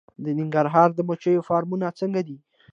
د ننګرهار د مچیو فارمونه څنګه دي؟